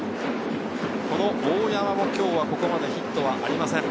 大山もここまでヒットはありません。